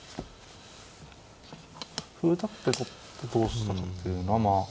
歩取って取って同飛車とっていうのはまあ。